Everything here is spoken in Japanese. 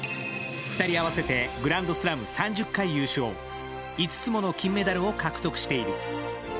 ２人合わせてグランドスラム３０回優勝、５つもの金メダルを獲得している。